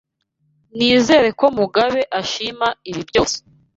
Nizere ko Mugabe ashima ibi byose.